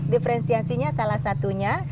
diferensiasinya salah satunya